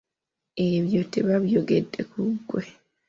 Ebyo tebabyogedde ku ggwe.